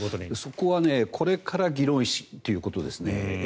そこはこれから議論していくということですね。